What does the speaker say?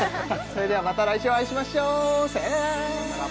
それではまた来週お会いしましょうさようなら